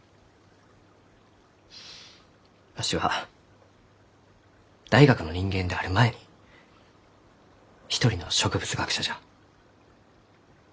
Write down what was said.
わしは大学の人間である前に一人の植物学者じゃ。